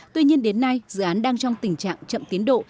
tuy nhiên đến nay dự án đang trong tình trạng chậm tiến độ